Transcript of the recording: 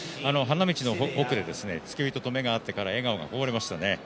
花道の奥で付け人と目が合って笑顔がこぼれました。